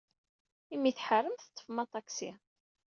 Imi ay tḥarem, teḍḍfem aṭaksi.